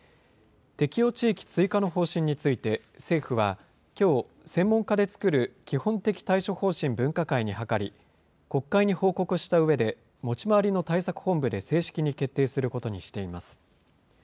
適用地域追加の方針について、政府はきょう、専門家で作る基本的対処方針分科会に諮り、国会に報告したうえで、持ち回りの対策本部で正式に決定することにしています。